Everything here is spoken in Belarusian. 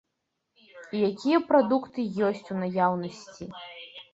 І якія прадукты ёсць у наяўнасці.